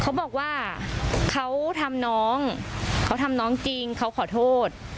เขาบอกว่าเขาทำน้องเขาทำน้องจริงเขาขอโทษ